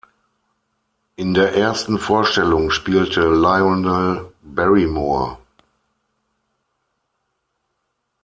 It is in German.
In der ersten Vorstellung spielte Lionel Barrymore.